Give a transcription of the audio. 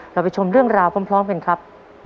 เราไปชมเรื่องราวพร้อมกันครับ